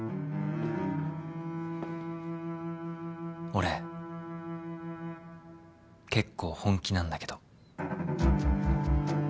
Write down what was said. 俺結構本気なんだけど。